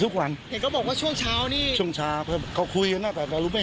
แปลงจะนั่งวอนอยู่นี่ได้ทุกวัน